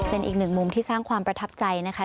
เป็นอีกหนึ่งมุมที่สร้างความประทับใจนะคะ